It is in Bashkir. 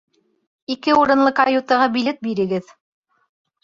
Ике урынлы каютаға билет бирегеҙ